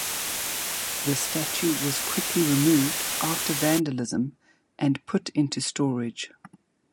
The statue was quickly removed after vandalism and put into storage.